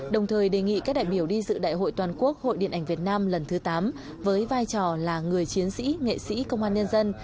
đồng thời đề nghị các đại biểu đi dự đại hội toàn quốc hội điện ảnh việt nam lần thứ tám với vai trò là người chiến sĩ nghệ sĩ công an nhân dân